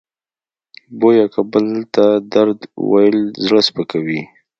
بویه که بل ته درد ویل زړه سپکوي.